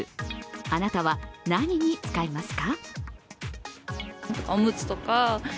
あなたは何に使いますか？